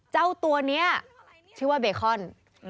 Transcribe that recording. เจ้าตัวนี้ชื่อว่าเบคอน